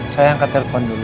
saya angkat telepon dulu